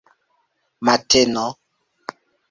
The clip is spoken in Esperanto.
mateno